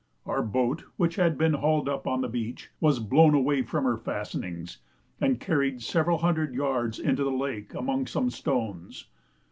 Our boat, which had been hauled up on the beach, was blown away from her fastenings, and carried several hundred yards into the lake among some stones.